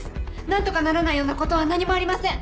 何とかならないようなことは何もありません。